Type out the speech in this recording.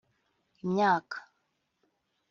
Imyaka